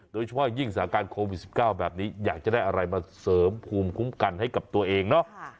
โดยเฉพาะยิ่งสถานการณ์โควิด๑๙แบบนี้อยากจะได้อะไรมาเสริมภูมิคุ้มกันให้กับตัวเองเนาะ